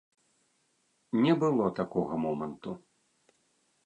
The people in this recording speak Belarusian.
Не было такога моманту.